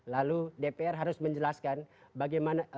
lalu dpr harus menjelaskan bagaimana